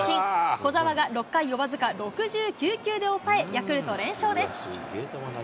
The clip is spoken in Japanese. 小澤が６回を僅か６９球で抑え、ヤクルト、連勝です。